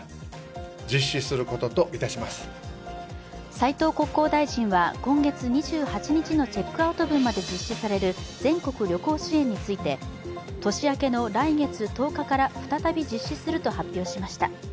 斉藤国交大臣は今月２８日のチェックアウト分まで実施される全国旅行支援について、年明けの来月１０日から再び実施すると発表しました。